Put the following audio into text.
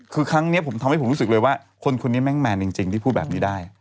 คือครั้งนี้ผมทำให้ผมรู้สึกเลยว่าคนคนนี้แม่งแมนจริงที่พูดแบบนี้ได้